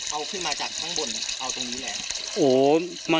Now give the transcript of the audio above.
เอาขึ้นมาจากข้างบนเอาตรงนี้เลยครับ